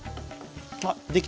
あっできた。